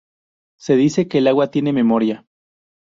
Se dice que el agua tiene memoria.